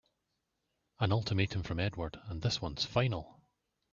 An ultimatum from Edward and this one's final!